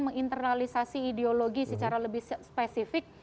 menginternalisasi ideologi secara lebih spesifik